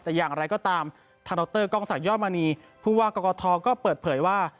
แต่อย่างไรก็ตามทางดอตเตอร์กองศักยบรณีพูดว่ากรกฎทอดีก็เปิดเผยว่า